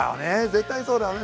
絶対そうだよね」